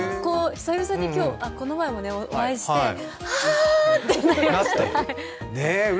久々に今日、この前もお会いしてわぁぁぁ！ってなりました。